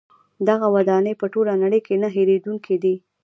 دغه ودانۍ په ټوله نړۍ کې نه هیریدونکې دي.